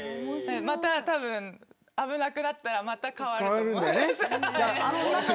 また危なくなったら変わると思う。